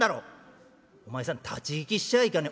「お前さん立ち聞きしちゃいけねえ」。